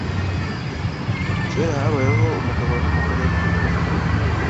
Kera habayeho umugabo n’umugore we.